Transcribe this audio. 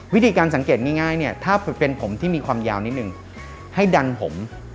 วิธีการสังเกตง่ายเนี่ยถ้าเป็นผมที่มีความยาวนิดนึงให้ดันผม